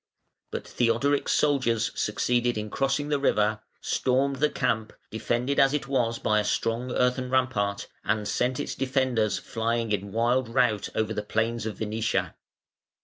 But Theodoric's soldiers succeeded in crossing the river, stormed the camp, defended as it was by a strong earthen rampart, and sent its defenders flying in wild rout over the plains of Venetia.